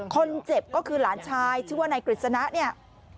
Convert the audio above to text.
คนเจ็บก็คือหลานชายชื่อว่านายกฤษณะเนี่ย